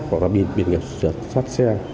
hoặc là biển kiểm soát xe